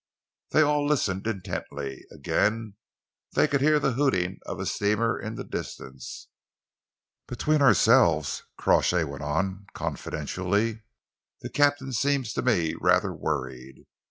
They all listened intently. Again they could hear the hooting of a steamer in the distance. "Between ourselves," Crawshay went on confidentially, "the captain seems to me rather worried.